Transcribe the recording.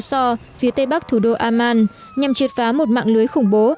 so phía tây bắc thủ đô amman nhằm triệt phá một mạng lưới khủng bố